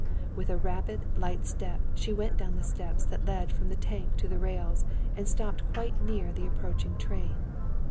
With a rapid, light step she went down the steps that led from the tank to the rails and stopped quite near the approaching train.